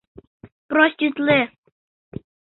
«Проститле»...